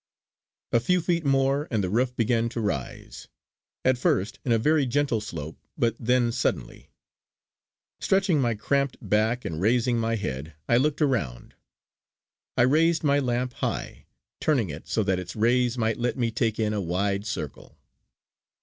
A few feet more and the roof began to rise; at first in a very gentle slope, but then suddenly. Stretching my cramped back and raising my head, I looked around. I raised my lamp high, turning it so that its rays might let me take in a wide circle.